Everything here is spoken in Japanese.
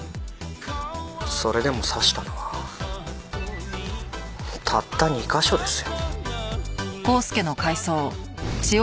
それでも刺したのはたった２カ所ですよ。